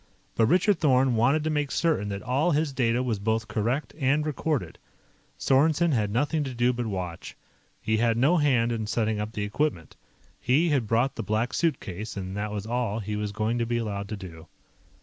But Richard Thorn wanted to make certain that all his data was both correct and recorded. Sorensen had nothing to do but watch. He had no hand in setting up the equipment. He had brought the Black Suitcase, and that was all he was going to be allowed to do.